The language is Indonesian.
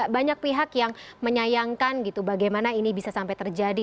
banyak pihak yang menyayangkan gitu bagaimana ini bisa sampai terjadi